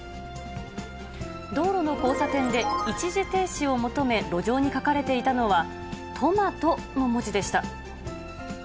道路の交差点で、一時停止を求め路上に書かれていたのは、トマトの文字でした。